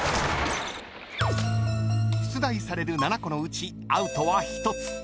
［出題される７個のうちアウトは１つ］